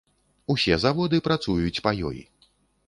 Усе заводы працуюць па ёй.